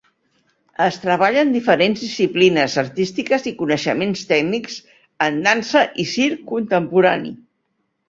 Es treballen diferents disciplines artístiques i coneixements tècnics en dansa i circ contemporani.